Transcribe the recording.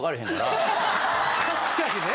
確かにね。